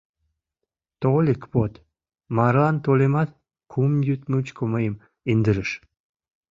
Тольык вот... марлан тольымат, кум йӱд мучко мыйым индырыш.